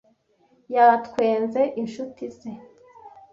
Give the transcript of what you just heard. Yatwenze inshuti ze.